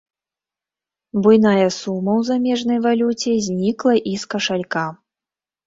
Буйная сума ў замежнай валюце знікла і з кашалька.